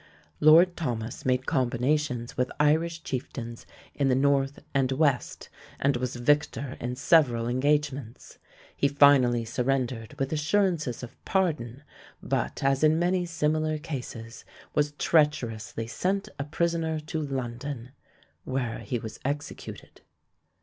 Lord Thomas made combinations with Irish chieftains in the north and west, and was victor in several engagements. He finally surrendered with assurances of pardon, but, as in many similar cases, was treacherously sent a prisoner to London, where he was executed.